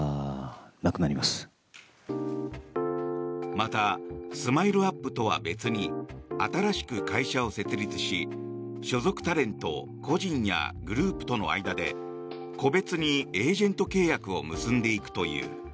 またＳＭＩＬＥ−ＵＰ．とは別に新しく会社を設立し所属タレント個人やグループとの間で個別にエージェント契約を結んでいくという。